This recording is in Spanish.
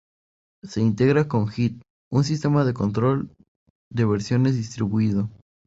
Se integra con Git, un sistema de control de versiones distribuido.